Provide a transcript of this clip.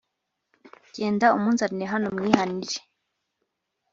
Genda umunzanire hano mwihanire